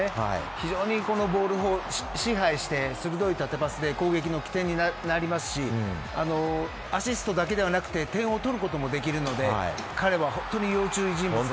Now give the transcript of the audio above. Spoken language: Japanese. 非常にボールを支配して鋭い縦パスで攻撃の起点になりますしアシストだけじゃなくて点を取ることもできるので彼は本当に要注意人物です。